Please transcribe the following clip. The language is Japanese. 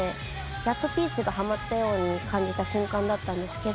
やっとピースがはまったように感じた瞬間だったんですけど。